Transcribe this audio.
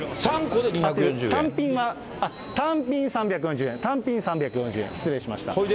単品３４０円、単品３４０円、失礼しました。